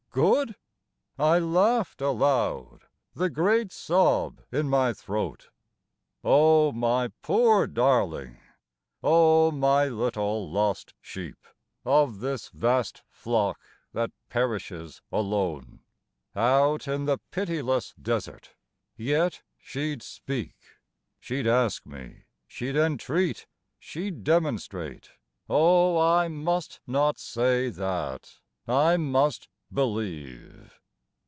Good?" I laughed aloud, the great sob in my throat. O my poor darling, O my little lost sheep Of this vast flock that perishes alone Out in the pitiless desert!—Yet she'd speak: She'd ask me: she'd entreat: she'd demonstrate. O I must not say that! I must believe!